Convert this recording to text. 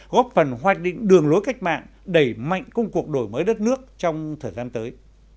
góp phần hoạch định đường lối cách mạng đẩy mạnh công cuộc đổi mới đất nước trong thời gian tới